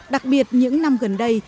đặc biệt những năm gần đây